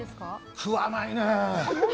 食わないね。